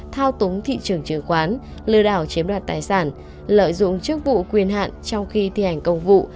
thao túng thị trường chứng khoán lừa đảo chiếm đoạt tài sản lợi dụng chức vụ quyền hạn trong khi thi hành công vụ